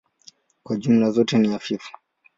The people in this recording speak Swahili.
Kwa jumla zote ni hafifu.